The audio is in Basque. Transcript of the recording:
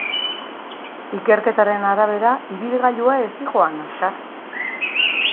Ikerketaren arabera, ibilgailua ez zihoan azkar.